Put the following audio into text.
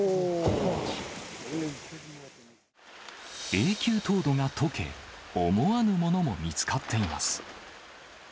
永久凍土がとけ、思わぬものも見つかっています。